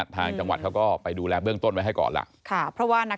ทางจังหวัดเขาก็ไปดูแลเรื่องต้นไว้ให้ก่อนล่ะค่ะเพราะว่านัก